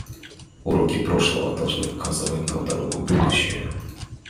Уроки прошлого должны указать нам дорогу в будущее.